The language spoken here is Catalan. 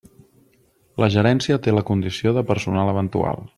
La Gerència té la condició de personal eventual.